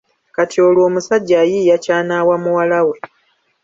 Kati olwo omusajja ayiiya ky’anaawa muwala we.